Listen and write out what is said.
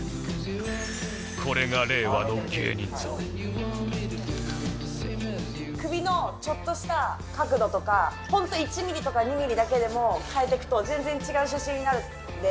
これが首のちょっとした角度とか本当１ミリとか２ミリだけでも変えていくと全然違う写真になるので。